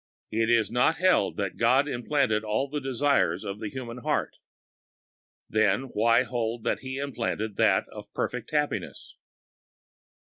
It is not held that God implanted all the desires of the human heart. Then why hold that He implanted that of perfect happiness?